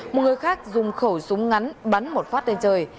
một người khác dùng khẩu súng ngắn bắn một phát lên trời